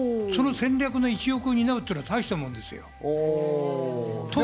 その戦略の一翼を担うというのは大したことですよ。